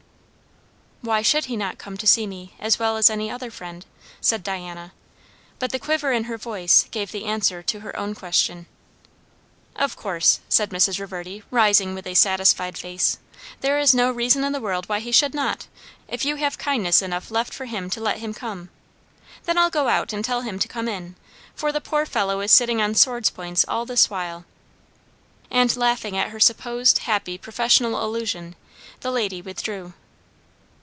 "Why should not he come to see me, as well as any other friend?" said Diana. But the quiver in her voice gave the answer to her own question. "Of course!" said Mrs. Reverdy, rising with a satisfied face. "There is no reason in the world why he should not, if you have kindness enough left for him to let him come. Then I'll go out and tell him to come in; for the poor fellow is sitting on sword's points all this while." And laughing at her supposed happy professional allusion, the lady withdrew.